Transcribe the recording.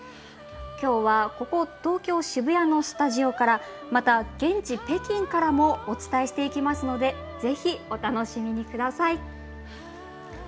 きょうはここ、東京・渋谷のスタジオからまた現地、北京からもお伝えするのでぜひ、お楽しみください。